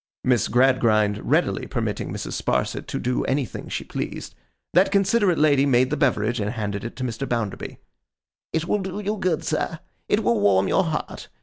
Miss Gradgrind readily permitting Mrs. Sparsit to do anything she pleased, that considerate lady made the beverage, and handed it to Mr. Bounderby. 'It will do you good, sir. It will warm your heart.